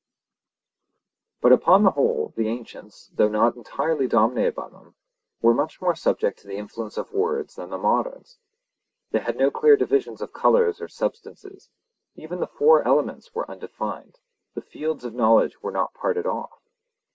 But upon the whole, the ancients, though not entirely dominated by them, were much more subject to the influence of words than the moderns. They had no clear divisions of colours or substances; even the four elements were undefined; the fields of knowledge were not parted off.